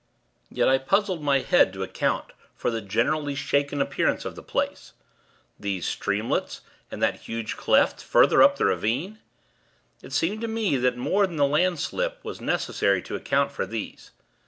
Yet, I puzzled my head to account for the generally shaken appearance of the place these streamlets, and that huge cleft, further up the ravine! It seemed to me, that more than the landslip was necessary to account for these.